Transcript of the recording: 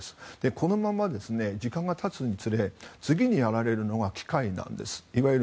このまま時間が経つにつれ次にあがれるのが機械なんです。